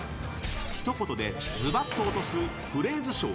ひと言でズバッと落とすフレーズＳＨＯＷ！